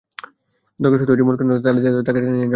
দরকার শুধু মূল কেন্দ্র থেকে তার দিয়ে তাকে টেনে নিয়ে যাওয়া।